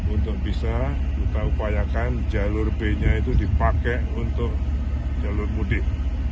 untuk bisa kita upayakan jalur b nya itu dipakai untuk jalur mudik